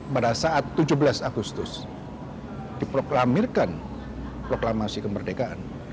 pada saat tujuh belas agustus diproklamirkan proklamasi kemerdekaan